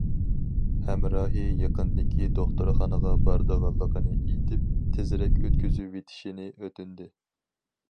ھەمراھى يېقىندىكى دوختۇرخانىغا بارىدىغانلىقىنى ئېيتىپ، تېزرەك ئۆتكۈزۈۋېتىشنى ئۆتۈندى.